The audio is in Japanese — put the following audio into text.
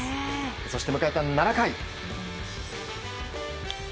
そして迎えた７回。